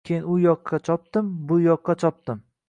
Keyin u yoqqa chopdim-bu yoqqa chopdim